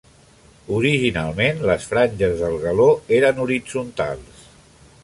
Originalment les franges del galó eren horitzontals.